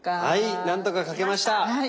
はい何とか描けました。